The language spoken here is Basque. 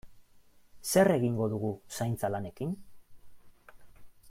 Zer egingo dugu zaintza lanekin?